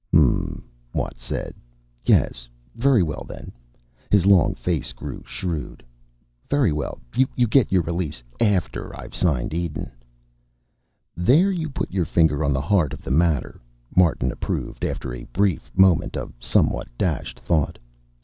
"Hm m," Watt said. "Yes. Very well, then." His long face grew shrewd. "Very, well, you get your release after I've signed Eden." "There you put your finger on the heart of the matter," Martin approved, after a very brief moment of somewhat dashed thought.